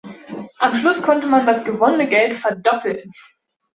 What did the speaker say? Am Schluss konnte man das gewonnene Geld verdoppeln.